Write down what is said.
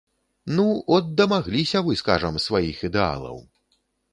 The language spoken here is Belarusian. Ну, от, дамагліся вы, скажам, сваіх ідэалаў.